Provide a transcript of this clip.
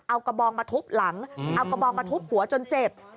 เอากระบองมาทุบหลังเอากระบองมาทุบหัวจนเจ็บ